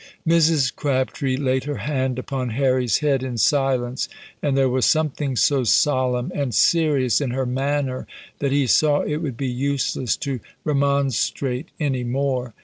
Mrs. Crabtree laid her hand upon Harry's head in silence, and there was something so solemn and serious in her manner, that he saw it would be useless to remonstrate any more.